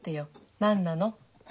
何なの？